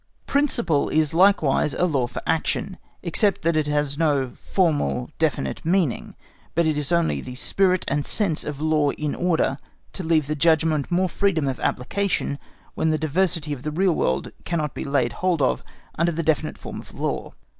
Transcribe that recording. Principle is likewise such a law for action, except that it has not the formal definite meaning, but is only the spirit and sense of law in order to leave the judgment more freedom of application when the diversity of the real world cannot be laid hold of under the definite form of a law.